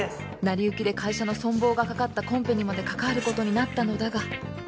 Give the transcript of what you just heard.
成り行きで会社の存亡がかかったコンペにまで関わる事になったのだが